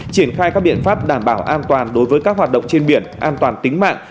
triển khai các biện pháp đảm bảo an toàn đối với các hoạt động trên biển an toàn tính mạng